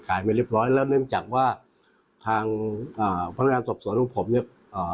กายไม่เรียบร้อยแล้วเนื่องจากว่าทางพนักงานศพสวนผมเนี่ย